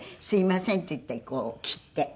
「すみません」って言ってこう切って。